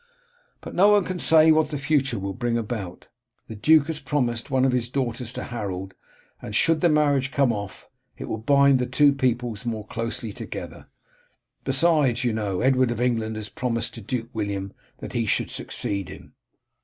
But no one can say what the future will bring about. The duke has promised one of his daughters to Harold, and should the marriage come off it will bind the two peoples more closely together. Besides, you know, Edward of England has promised to Duke William that he should succeed him."